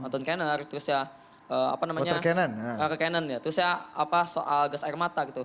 terus ya apa namanya ke kenan ya terus ya soal gas air mata gitu